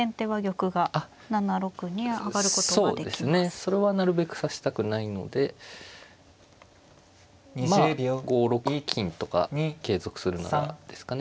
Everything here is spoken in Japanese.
それはなるべく指したくないのでまあ５六金とか継続するならですかね。